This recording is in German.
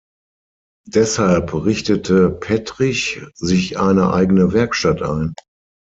Deshalb richtete Pettrich sich eine eigene Werkstatt ein.